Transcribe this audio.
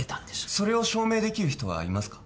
それを証明できる人はいますか？